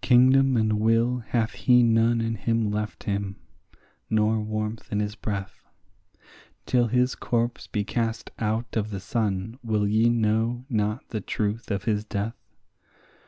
Kingdom and will hath he none in him left him, nor warmth in his breath; Till his corpse be cast out of the sun will ye know not the truth of his death?